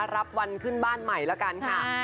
รับวันขึ้นบ้านใหม่แล้วกันค่ะ